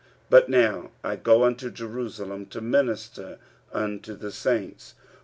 45:015:025 But now I go unto Jerusalem to minister unto the saints.